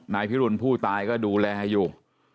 นายพิรุณผู้ตายก็ดูแลอยู่